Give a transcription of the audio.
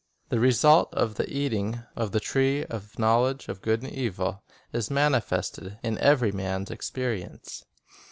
The result of the eating of the tree of knowledge of good and evil is manifest in every man's experience.